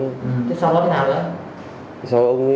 thế sau lúc nào nữa